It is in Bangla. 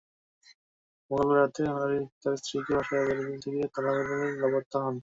মঙ্গলবার রাতে ভান্ডারী তাঁর স্ত্রীকে বাসার বাইরে থেকে তালা মেরে লাপাত্তা হন।